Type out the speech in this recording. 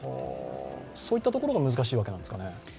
そういったところが難しいわけなんですかね？